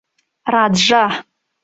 РАДЖА